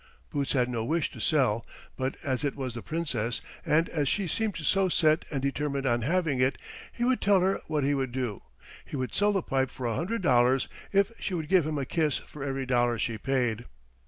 Boots had no wish to sell, but as it was the Princess, and as she seemed so set and determined on having it, he would tell her what he would do; he would sell the pipe for a hundred dollars if she would give him a kiss for every dollar she paid.